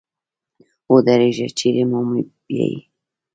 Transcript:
ودرېږه چېري مو بیایې ؟